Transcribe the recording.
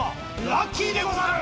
ラッキーでござる！